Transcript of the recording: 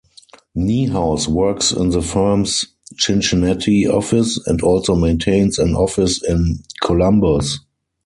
Niehaus works in the firm's Cincinnati office and also maintains an office in Columbus.